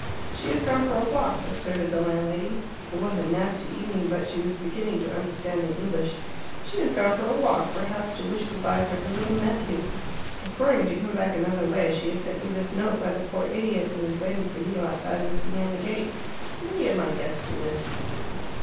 "She has gone for a walk," asserted the landlady. It was a nasty evening, but she was beginning to understand the English. "She has gone for a walk perhaps to wish good bye to her little nephew. Preferring to come back another way, she has sent you this note by the poor idiot and is waiting for you outside the Siena gate. Many of my guests do this."